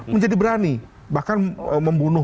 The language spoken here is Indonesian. menjadi berani bahkan membunuh